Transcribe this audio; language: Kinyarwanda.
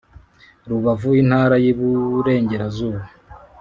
Rubavu Intara y Iburengerazuba